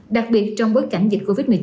đặc biệt trong bối cảnh dịch covid một mươi chín